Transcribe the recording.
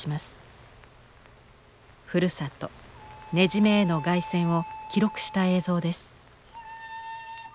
ふるさと根占への凱旋を記録した映像です。